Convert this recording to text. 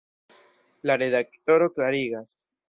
La redaktoro klarigas.